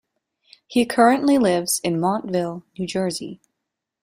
He currently lives in Montville, New Jersey.